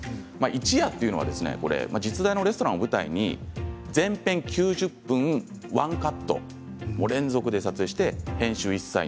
一夜というのは実在のレストランを舞台に全編９０分ワンカット連続で撮影して編集